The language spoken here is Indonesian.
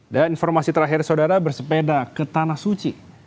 dan informasi terakhir saudara bersepeda ke tanah suci